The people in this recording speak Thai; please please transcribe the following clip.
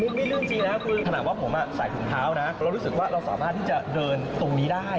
อ๋อมุมไม่ลื่นจริงนะคือขนาดว่าผมอ่ะใส่ผุ่มเท้านะเรารู้สึกว่าเราสามารถที่จะเดินตรงนี้ได้